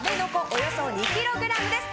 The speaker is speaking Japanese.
およそ２ｋｇです。